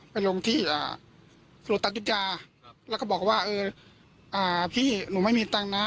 ไปโรงที่อ่าโรตัสยุทยาครับแล้วก็บอกว่าเอออ่าพี่หนูไม่มีตังค์นะ